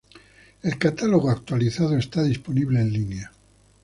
El catálogo actualizado está disponible en línea.